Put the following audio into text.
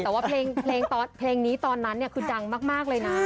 แต่ว่าเพลงนี้คุณดังมากเลยนะ